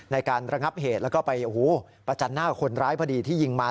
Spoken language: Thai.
ในการระงับเหตุแล้วก็ไปประจันหน้าคนร้ายพอดีที่ยิงมา